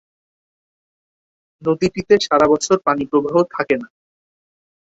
নদীটিতে সারাবছর পানিপ্রবাহ থাকে না।